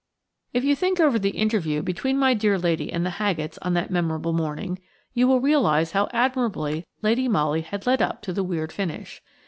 If you think over the interview between my dear lady and the Haggetts on that memorable morning, you will realise how admirably Lady Molly had led up to the weird finish.